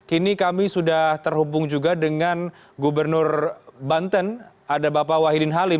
kini kami sudah terhubung juga dengan gubernur banten ada bapak wahidin halim